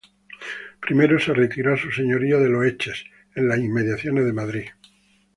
Primero se retiró a su señorío de Loeches, en las inmediaciones de Madrid.